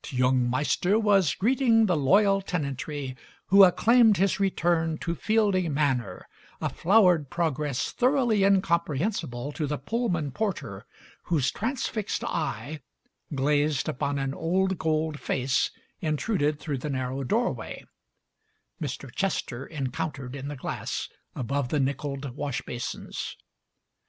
T 9 yoong Maister was greeting the loyal tenantry who acclaimed his return to Fielding Manor, a flowered progress thoroughly incomprehensible to the Pullman porter whose transfixed eye — glazed upon an old gold face intruded through the narrow doorway — Mr. Chester encountered in the glass above the nickeled washbasins.